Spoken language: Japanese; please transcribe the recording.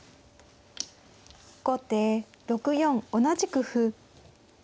後手６四同じく歩。